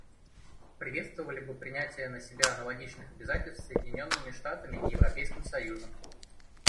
Приветствовали бы принятие на себя аналогичных обязательств Соединенными Штатами и Европейским союзом.